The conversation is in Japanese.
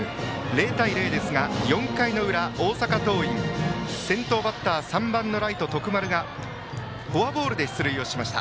０対０ですが４回の裏大阪桐蔭先頭バッター３番のライト、徳丸がフォアボールで出塁しました。